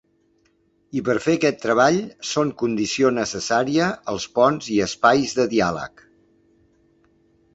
I per fer aquest treball són condició necessària els ponts i espais de diàleg.